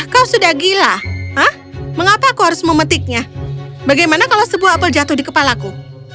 kau sudah gila mengapa aku harus memetiknya bagaimana kalau sebuah apel jatuh di kepalaku